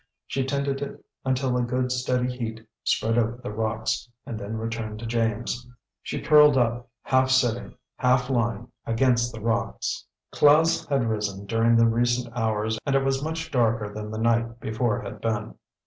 She tended it until a good steady heat spread over the rocks, and then returned to James. She curled up, half sitting, half lying, against the rocks. Clouds had risen during the recent hours, and it was much darker than the night before had been.